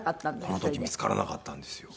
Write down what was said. この時見つからなかったんですよ。